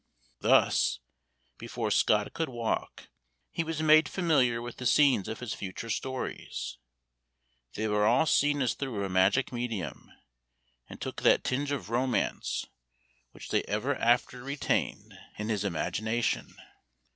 Thus, before Scott could walk, he was made familiar with the scenes of his future stories; they were all seen as through a magic medium, and took that tinge of romance, which they ever after retained in his imagination.